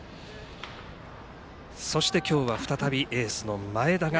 そして今日は再びエースの前田が